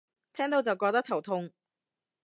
聽到就覺得頭痛